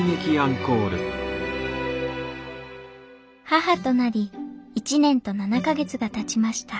母となり１年と７か月がたちました。